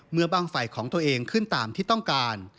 เมื่อบ้างไฟของตัวเองขึ้นตามที่ต้องการ